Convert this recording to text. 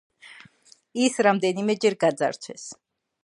ის რამდენიმეჯერ გაძარცვეს.